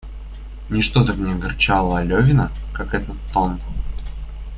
Ничто так не огорчало Левина, как этот тон.